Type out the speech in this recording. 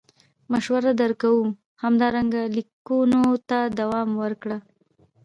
مشوره در کوو همدارنګه لیکنو ته دوام ورکړه.